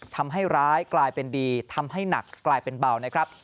ทำร้ายกลายเป็นดีทำให้หนักกลายเป็นเบานะครับ